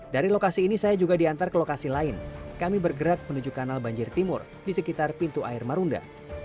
dari lokasi ini saya juga diantar ke lokasi lain kami bergerak menuju kanal banjir timur di sekitar pintu air marunda